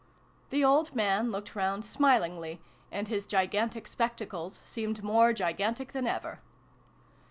" The old man looked round smilingly, and his gigantic spectacles seemed more gigantic than ever.